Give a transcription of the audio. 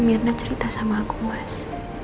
mirna cerita sama aku mas